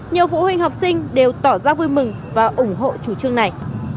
nhiều phụ huynh học sinh đều tỏ ra vui mừng và ủng hộ chủ trương này